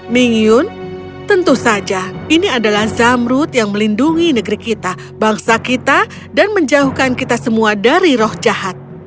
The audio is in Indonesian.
ming yun tentu saja ini adalah zamrut yang melindungi negeri kita bangsa kita dan menjauhkan kita semua dari roh jahat